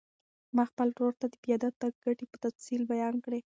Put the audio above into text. ما خپل ورور ته د پیاده تګ ګټې په تفصیل بیان کړې.